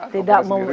tidak memotong kayu